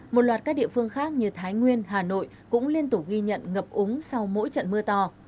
một loạt các địa phương khác như thái nguyên hà nội cũng liên tục ghi nhận ngập úng sau mỗi trận mưa to